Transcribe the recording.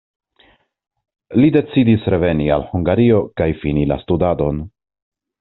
Li decidis reveni al Hungario kaj fini la studadon.